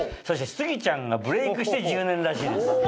そしてスギちゃんがブレイクして１０年らしいです。